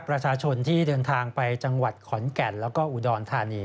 ประชาชนที่เดินทางไปจังหวัดขอนแก่นแล้วก็อุดรธานี